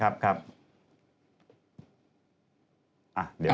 ครับครับ